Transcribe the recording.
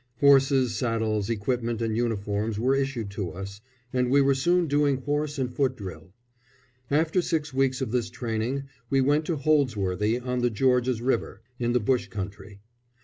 Horses, saddles, equipment and uniforms were issued to us, and we were soon doing horse and foot drill. After six weeks of this training we went to Holdsworthy, on the George's River, in the bush country.